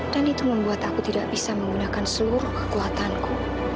dan itu membuat aku tidak bisa menggunakan seluruh kekuatanku